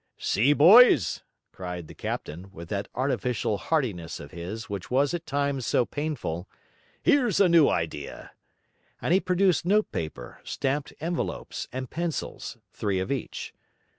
'See, boys!' cried the captain, with that artificial heartiness of his which was at times so painful, 'here's a new idea.' And he produced note paper, stamped envelopes, and pencils, three of each.